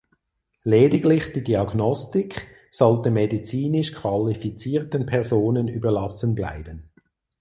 Lediglich die Diagnostik sollte medizinisch qualifizierten Personen überlassen bleiben.